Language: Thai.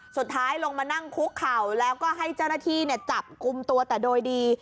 สุดท้ายลงมานั่งคุกเข่าแล้วก็ให้เจ้าหน้าที่จับกลุ่มตัวแต่โดยดี